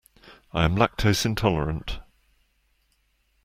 I am lactose intolerant.